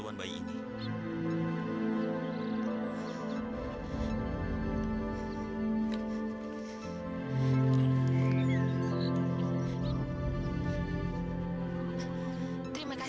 ini ruang yang baru